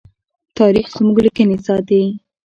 تاریخ زموږ لیکنې ساتي.